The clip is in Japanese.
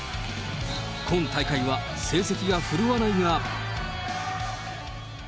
今大会は成績がふるわないが。